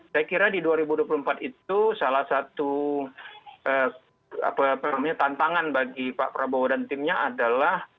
saya kira di dua ribu dua puluh empat itu salah satu tantangan bagi pak prabowo dan timnya adalah